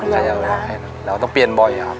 รอบให้แล้วต้องเปลี่ยนบ่อยครับ